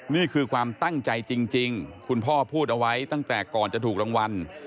นี่คือความตั้งใจจริงคุณพ่อพูดเอาไว้ตั้งแต่ก่อนจะถูกรางวัล